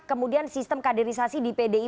kemudian sistem kaderisasi di pdi